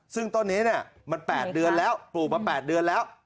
ซึ่งต้นนี้มัน๘เดือนแล้วปลูกมา๘เดือนแล้ว